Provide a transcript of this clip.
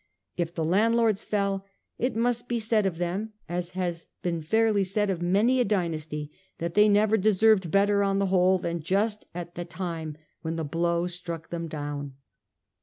If the landlords fell, it must be said of them, as has been fairly said of many a dynasty, that they never deserved better on the whole than just at the time when the blow struck them down.